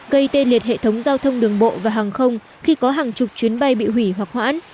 gây tê liệt hệ thống giao thông đường bộ và hàng không khi có hàng chục chuyến bay bị hủy hoặc hoãn